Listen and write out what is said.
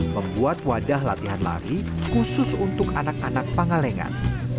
membuat wadah latihan lari khusus untuk anak anak pangalengan